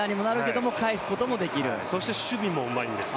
そして守備もうまいんです。